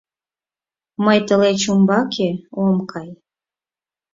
— Мый тылеч умбаке ом кай.